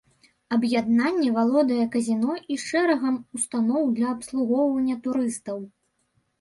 Аб'яднанне валодае казіно і шэрагам устаноў для абслугоўвання турыстаў.